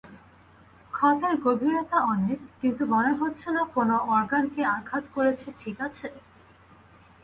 ক্ষতের গভীরতা অনেক, কিন্তু মনে হচ্ছে না কোন অর্গানকে আঘাত করেছে ঠিক আছে?